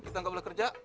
kita nggak boleh kerja